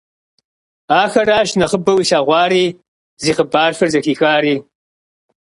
Ахэращ нэхъыбэу илъэгъуари, зи хъыбархэр зэхихари.